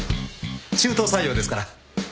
中途採用ですから。